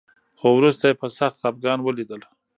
خو وروسته يې په سخت خپګان وليدل.